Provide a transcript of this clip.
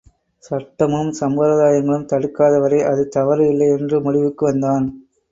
சட்டமும் சம்பிரதாயங்களும் தடுக்காத வரை அது தவறு இல்லை என்று முடிவுக்கு வந்தான்.